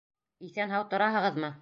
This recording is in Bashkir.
Иҫән-һау тораһығыҙмы?